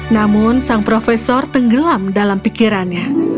namun sang profesor tenggelam dalam pikirannya